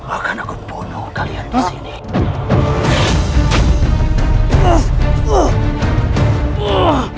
akan aku bunuh kalian di sini